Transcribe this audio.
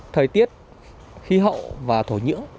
thời tiết khí hậu và thổ nhưỡng